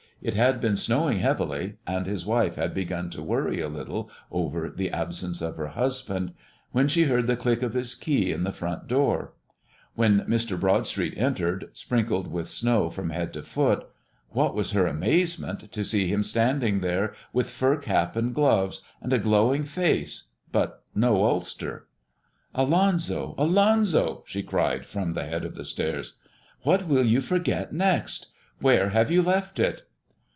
It had been snowing heavily, and his wife had begun to worry a little over the absence of her husband, when she heard the click of his key in the front door. When Mr. Broadstreet entered, sprinkled with snow from head to foot, what was her amazement to see him standing there with fur cap and gloves, and a glowing face, but no ulster! "Alonzo, Alonzo," she cried, from the head of the stairs, "what will you forget next? Where have you left it?"